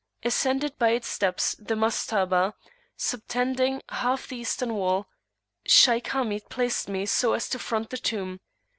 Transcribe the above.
Ascending by its steps the Mastabah subtending half the Eastern wall, Shaykh Hamid placed me so as to front the tomb.